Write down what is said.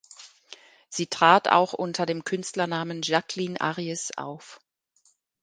Sie trat auch unter dem Künstlernamen Jacqueline Aries auf.